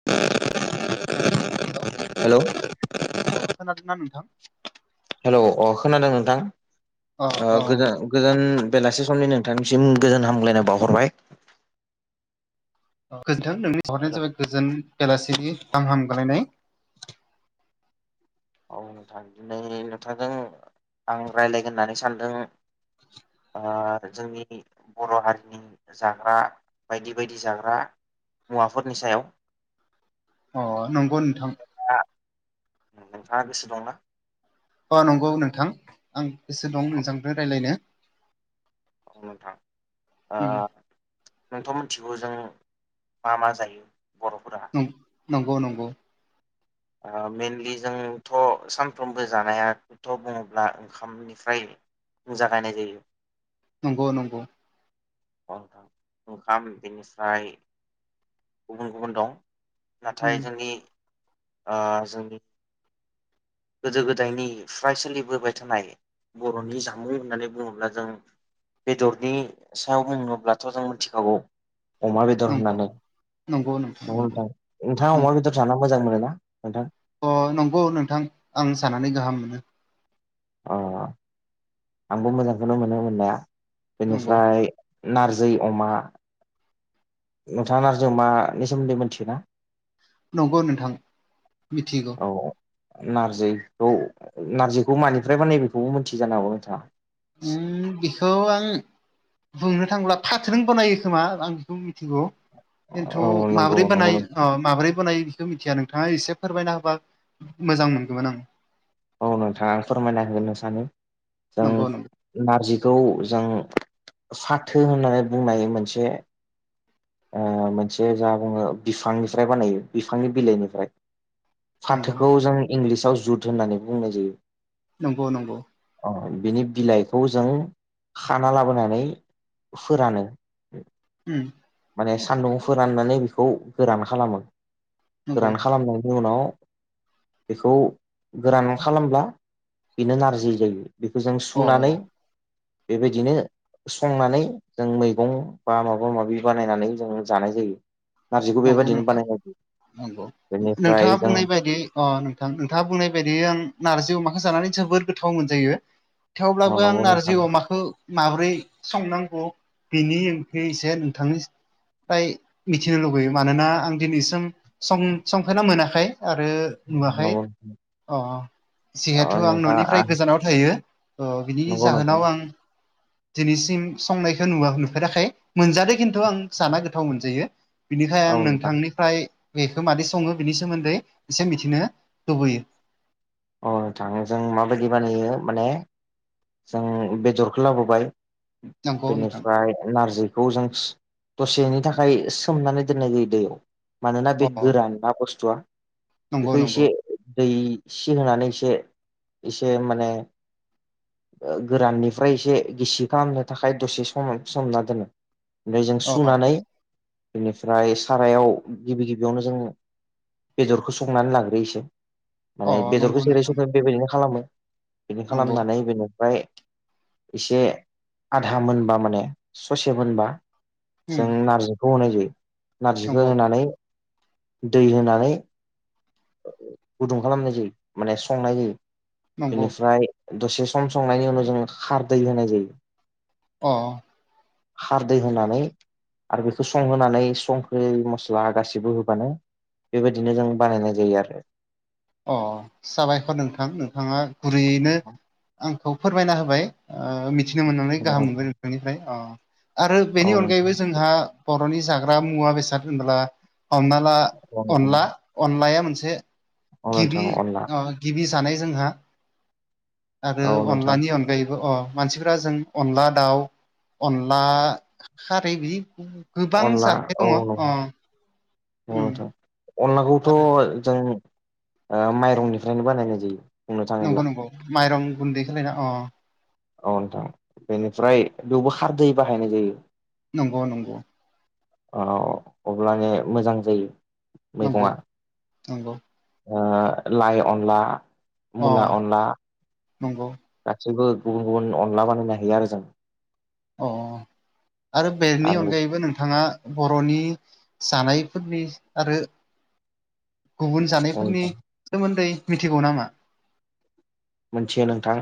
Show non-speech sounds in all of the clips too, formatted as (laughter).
(inaudible) हेल' (inaudible) हेल' अ खोनादों नोंथां अ अ ओ गोजोन गोजोन बेलासि समनि नोंथांनिसिम गोजोन हामग्लायनाय बावहरबाय गोोनथों नोंनि सहरानो हेलौ जाबाय गोजोन बेलासि गामहामगलायनाय औ नोंथां दिनै नोंथांजों आं रायज्लायगोन होननानै सानदों ओ जोंनि बर' हारिनि जाग्रा बायदि बायदि जाग्रा मुवाफोरनि सायाव अ नंगौ नोंथां नोंथाङा गोसो दंना अ नंगौ नोंथां आं गोसो दं औ नोंथांखौनो रायज्लायनो नोंथां ओ नोंथ' मिथिगौ जों मा मा जायो बर'फोरा नंगौ नंगौ मेइेनलि जोंथ' सानफ्रोमबो जानायखौथ' बुङोब्ला ओंखाम बेनिफ्राय जागायनाय जायो नंगौ नंगौ ओंखाम बेनिफ्राय गुबुन गुबुन दं नाथाय उम जोंनि जोंनि गोदो गोदायनि फ्राय सोलिबोबाय थानाय बर'नि जामुं होननानै बुङोब्ला जों बेदरनि सायाव बुङोब्लाथ' जों मिथिखागौ अमा बेदर नंगौ होननानै नंगौ नोंथां न नंगौ नोंथाङा अमा बेदर जा मोजां मोनो ना नोंथां अ नंगौ नोंथां आं सानानै गाहाम मोनो अ आंबो मोजांखौनो मोनो मोननाया नंगौ बेनिफ्राय नारजि अमा नोंथाङा नारजि अमानि सोमोन्दै मिथियोना नंगौ नोंथां मिथिगौ औ नारजि नारजिखौ मानिफ्राय बानायो बेखौबो मोनथियो जानो हागौ नोंथाङा उम बेखौ आं बुंनो थांब्ला फाथों जों बानायो खोमा आं बेखौ मिथिगौ खिन्थु औ नंगौ माब्रै नंगौ नोंथां बानायो माबोरै बानायो बेखौ मिथिया नोंथाङा एसे फोरमायना होबा मोजां मोनगौमोन आं औ नोंथाङा फोरमायना हनो सानो जों नंगौ नंगौ नारजिखौ जों फाथो होननानै बुंनाय मोनसे मोनसे जा बुङो बिफांनिफ्राय बानायो बिफांनि बिलाइनिफ्राय नंगौ फाथोखौ जों इंलिसाव जुद होननानै बुंनाय जायो नंगौ नंगौ अ बिनि बिलाइखौ जों खाना लाबोनानै फोरानो होम माने सान्दुं फोराननानै बेखौ गोरान खालामो नंगौ गोरान खालामनायनि उनाव बेखौ गोरान खालामब्ला बेनो नारजि जायो बेखौ जों अ अ सुनानै बेबायदिनो संनानै जों मैगं बा माबा माबि बानायनानै जोङो जानाय जायो नारजिखौ नंगौ बेबायदिनो नोंथां बानाय नंगौ नोंथाङा बेनिफ्राय जों बुंनाय बायदि अ नोंथां नोंथाङा बुंनाय बायदि आं नारजि अमाखौ जानानै जबोद गोथाव मोनजायो अ थेवब्लाबो आं नंगौ नोंथां नारजि अमाखौ माबोरै संनांगौ बेनि ओंथि एसे नोंथांनि फ्राय मिथिनो लुबैयो मानोना आं दिनैसिम सम संफेरना मोनाखै आरो नुवाखै औ अ अ जिहेथु आं आ न'निफ्राय गोजानाव थायो त बिनि नंगौ नोंथां जाहोनाव आं दिनैसिम संनायखौ नुवा नुफेराखै मोनजादों खिन्थु आं जाना गोथाव मोनजायो ‌। बिनिखाय आं औ नोंथां नोंथांनिफ्राय बेखौ मादै सङो बिनि सोमोन्दै एसे मिथिनो लुबैयो। अ नोथां जों माबायदि बानायो माने जों बेदरखौ लाबोबाय नंगौ नोंथां बेनिसफ्राय नारजि खौ जों दसेनि थाखाय सोमनानै दोननाय जायो दैयाव। मानोना बे अ गोरान ना बुस्थुआ नंगौ बेखौ नंगौ एसे दै सि होनानै एसे एसे माने ओ गोराननिफ्राय एसे गिसि खालामनो थाखाय दसे सम सोमना दोनो। ओमफ्राय जों अ सुनानै बेनिफ्राय सारायाव गिबि गिबियावनो जों बेदरखौ संनानै लाग्रोयोसो अ माने नंगौ बेदरखौ जेरै नोंथां सङो बेबायदिनो खालामो बिदि नंगौ खालामनानै बेनिफ्राय एसे आधा मोनबा माने ससे मोनबा उम जों नार्जिखौ होनाय जायो नारजिखौ नंगौ होनानै दै होनानै गुदुं खालामनाय जायो माने संनाय जायो नंगौ बेनिफ्राय दसे सम संनायनि उनाव जोङो खारदै होनाय जायो। अ खारदै होनानै आरो बेखौ संहोनानै संख्रि मस्ला गासिबो होबानो बेबायदिनो जों बानायनाय बे आरो अ साबायखर नोंथां नोंथाङा गुरैयैनो आं खौ फोरमायना होबाय ओ मिथिनो मोननानै गाहाम मोनबाय नोंथांनिफ्राय अ आरो औ बेनि नोंथां अनगायैबो जोंहा बर'नि जाग्रा मुवा बेसाद होनोब्ला हमना ला औ नोंथां अनला अनलाया मोनसे औ गिबि नोंथां अनला अ गिबि जानाय जोंहा आरो औ नोंथां अनलानि अनगायैबो अ मानसिफ्रा जों अनला दाउ अनला खारै बिदि गोबां जाथाय दङ अ नंगौ उम नोंथां अनलाखौथ' आरो जों ओ माइरंनिफ्रायनो बानायनाय जायो। बुंनो थाङोब्ला नंगौ नंगौ माइरं गुन्दै खालायना अ अ नोंथां बेनिफ्राय बेवबो खारदै बाहायनाय जायो। नंगौ नंगौ। अ अब्लानो मोजां जायो नंगौ मैगङा नंगौ ओक्षलाइ अनला अ मुला अनला नंगौ गासैबो गुबुन गुबुन अनला बानायनो हायो आरो जों। अ आरो बेनि आरो अनगायैबो नोंथाङा बर'नि जानायफोरनि आरो गुबुन जानायफोरनि सोमोन्दै मिथिगौ नामा? मोनथियो नोंथां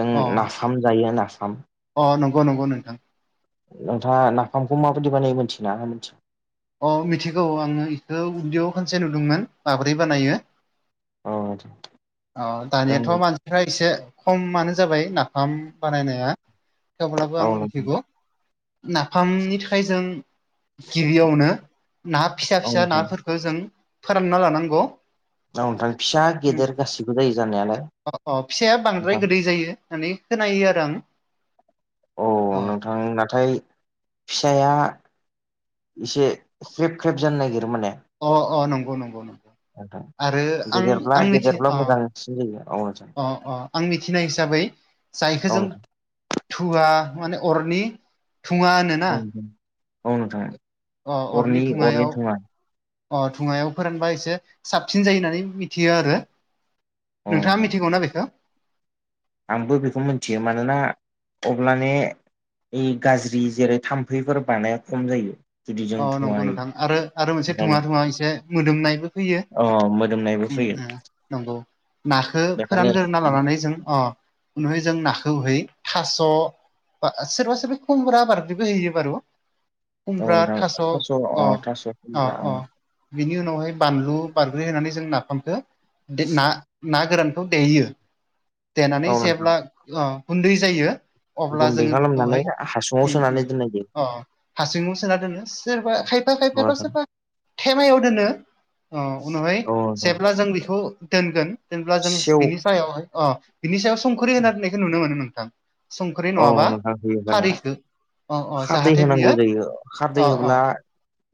जों अ नाफाम जायो नाफाम। अ नंगौ नंगौ नोंथां। नोंथाङा नाफामखौ माबायदि बानायो मोनथिना मिथिया अ मिथिगौ आङो इखौ उन्दैयाव खानसे नुदोंमोन माब्रै बानायो। अ अ दानियाथ' मानसिफ्रा एसे खमानो जाबाय नाफाम बानायनाया। थेवब्लाबो औ आं नोंथां मिथिगौ नाफामनि थाखाय जों गिबियावनो ना फिसा औ फिसा नोंथां नाफोर खौ जों फोरानना लानांगौ। औ नोंथां फिसा अ गेदेर गासिबो जायो जानायालाय अ फिसाया बांद्राय नोंथां गोदै जायो होननानै खोनायो आरो आं। आं नाथाय फिसाया इसे ख्रेब ख्रेब जानो नागिरो माने। अ अ नंगौ नंगौ नोंथां। आरो आं गेदेरब्ला आं मिथि गेदेरब्ला अ मोजांसिन जायो औ नोंथां अ अ आं मिथिनाय हिसाबै जायखौ औ जों नोंथां धुवा माने अरनि धुङा होनोना औ नोंथां औ नोंथां अ अरनि धुङायाव अरनि धुङा अ धुङायाव फोरानबा एसे साबसिन जायो होननानै मिथियो आरो। औ नोंथाङा नोंथां मिथिगौ ना बेखौ? आंबो बेखौ मोनथियो मानोना अब्लाने बै गाज्रि जेरै थाम्फैफोर बानाया खम जायो। जुदि जों अ धुवा नंगौ होयो नोंथां आरो आरो मोनसे बेखायनो धुङा धुङा एसे मोदोमनायबो फैयो अ मो उम उम नंगौ नाखौ बेखायनो फोरानग्रोना लानानै जों अ उनावहाय जों नाखौहै थास' बा सोरबा सोरबि खुमब्रा (unintelligible) बो होयो बारु औ खुमब्रा थास' नोंथां अ थास' अ खुमब्रा औ अ। बिनि उनावहाय बानलु बारग्रे होनानै जों नाफामखो बे ना ना गोरानखौ देयो। देनानै औ नोंथां जेब्ला अ गुन्दै जायो अब्ला गुन्दै जोङो खालामनानै बेखौहाय हासुङाव उम उम सोनानै दोननाय जायो अ हासुङाव सोना दोनो सोरबा खायफा औ खायफायाथ' नोंथां सोरबा थेमायाव दोनो अ उनावहाय औ नोंथां जेब्ला जों बेखौ दोनगोन जेनबा जों सेव बिनि सायावहाय अ बिनि सायाव संख्रि होनना दोननायखौ नुनो मोनो नोंथां। संख्रि अ नङाबा नोंथां होयो होनाया। खारैखौ अ अ खारदै जाहाथे होनांगौ बियो जायो खारदै अ अ होब्ला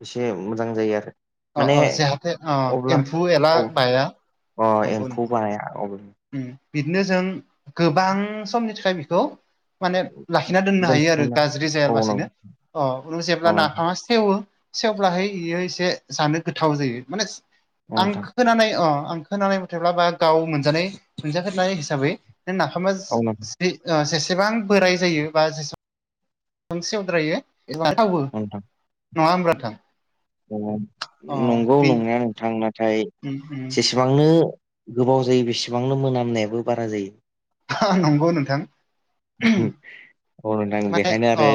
एसे मोजां जायो आरो। अ माने अ जाहाथे अ अब्ला एम्फौ एला औ बाया अ नंगौ एम्फौ नोंथां बाया अब्ला। उम बिदिनो जों गोबां समनि थाखाय बिखौ माने लाखिना दोननो हायो आरो दोनथुमना गाज्रि औ नों जायाबासिनो अ उनाल जेब्ला औ नाफामा सेेवो सेवब्लाहाय इयो एसे जानो गोथाव जायो माने आं नोंथां खोनानाय अ आं खोनानाय मथेब्ला बा गाव मोनजानाय मोनजाफेरनाय हिसाबै नाफामा औ नोंथां औ से ओ जेसेबां बोराय जायो बा जेसेबां सेवद्रायो एबा थावो नोंथां नङा होमबा नोंथां? अ नंगौ बे नंनाया नोंथां नाथाय उम उम। बेसेबांनो गोबाव जायो बेसेबांनो मोनामनायाबो बारा जायो। हा नंगौ नोंथां। अ नोंथां माने बेखायनो आरो अ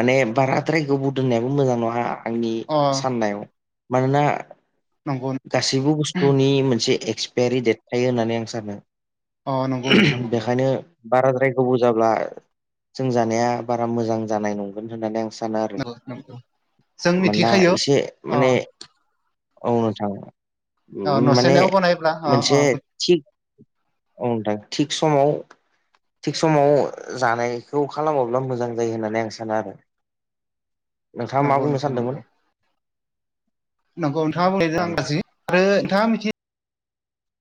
माने बाराद्राय गोबाव दोननायाबो मोजां नङा आंनि अ साननायाव मानोना नंगौ। गासैबो बुस्थुनि मोनसे एक्सपेरि डेट थायो होननानै आं सानो। अ नंगौ नोंथां नंगौ बेखायनो बाराद्राय गोबाव जाब्ला जों जानाया बारा मोजां जानाय नंगोन होननानै आं सा ना आरो नंगौ नंगौ जों मानोना मिथिखायो एसे अ माने औ नोथां, अ उम माने नसेनायाव बानायब्ला अ अ मोनसे थिग औ नोंथां थिग समाव थिग समाव जानायखौ खालामोब्ला मोजां जायो होननानै आं सानो आरो। नोंथाङा मा नंगौ बुंनो नोंथां सानदोंमोन? नोंगौ नोंथाङा औ बुंनायजो आं नोंथां राजि आरो नोंथाङा मिथि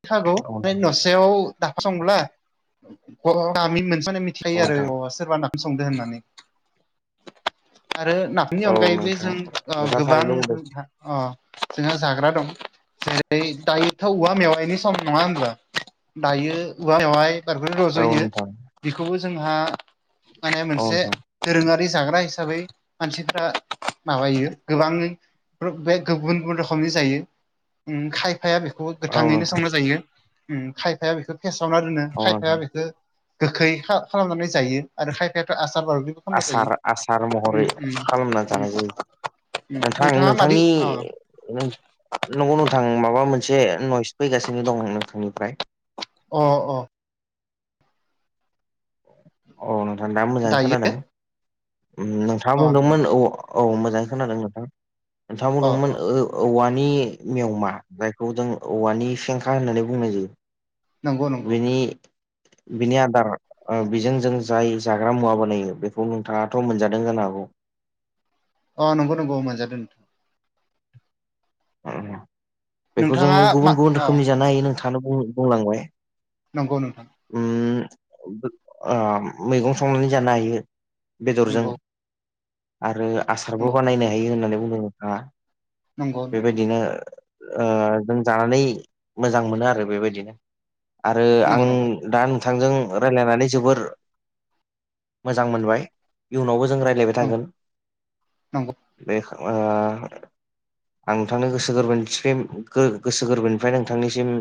खागौ औ फ्राय नसेयाव नाफाम संब्ला बर' गामि मोनसेयानो मि थिखायो नोंथां आरो अ सोरबा नाफाम संदो होननानै आरो नाफामनि औ अनगायैबो नोंथां जों ओ नोंथाङा गोबां थारैनो बुंदों जों अ जोंहा जाग्रा दं। जेरै दायो थाव औवा मेवाइनि सम नङा होनब्ला दायो औवा मेवाइ (unintelligible) औ रज'यो नोंथां बेखौबो जोंहा माने औ मोनसे नोंथां दोरोङारि जाग्रा हिसाबै मानसिफ्रा माबायो गोबांङै बे गुबुन गुबुन रखोमनि जायो खायफाया बेखौ औ गोथाङैनो नोंथां संना जा यो ओम खायफाया बेखो फेसावना दोनो औ खायफाया नोंथां बेखो गोखै खा खालामनानै जायो आरो खायफायाथ' आसार बार आसार आसार महरै खालामना उम जाहोयो उम नोंथां नोंथाङा मादि नोंथांनि अ नंगौ नोंथां माबा मोनसे नयस फैगासिनो दं नोंथांनिफ्राय अ अ। औ नोंथां दा मोजाङै दायो खोनादों ओम नोंथाङा अ नंगौ बुंदोंमोन औ औ मोजाङै खोनादों नोंथां नोंथाङा अ अ बुंदोंमोन ओ औवानि मेवमा जायखौ जों औवानि सेंखा होननानै बुंनाय जायो‌ नंगौ नंगौ बिनि बिनि आदार ओ बिजों जों जाय जाग्रा मुवा बानायो बेखौ नोंथाङाथ' मोनजादों जानो हागौ अ नंगौ नंगौ मोनजादों नोंथां बेखो जों नोंथाङा मा गुबुन गुबुन अ रोखोमनि जानो हायो नोंथाङानो बुं बुंलांबाय नंगौ नोंथां। ओम ओ मैगं संनानै जानो हायो बेदरजों नंगौ आरो नंगौ आसारबो बानायनो हायो होननानै बुंदों नोंथाङा। नंगौ नंगौ बेबायदिनो ओ जों जानानै मोजां मोनो आरो बेबायदिनो आरो आं नंगौ नंगौ दान थांजों रायलायनानै जोबोर मोजां मोनबाय इयुनावबो जों राय (unintelligible) थागोन नंगौ बे ओ आं नोंथांनो गोसो गोरबोनि (unintelligible) गोसो गोरबोनिफ्राय नोंथांनिसिम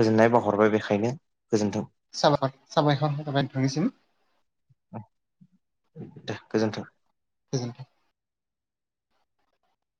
गोजोननाय बावाहरबाय बेखायनो गोजोनथों साबायखर साबायखर (unintelligible) नोंथांनिसिम दे गोजोनथों। गोजोन्थों।